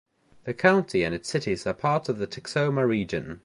The county and its cities are part of the Texoma region.